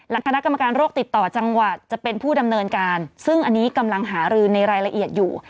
และคณะกรรมการโรคติดต่อจังหวัดจะเป็นผู้ดำเนินการซึ่งอันนี้กำลังหารือในรายละเอียดอยู่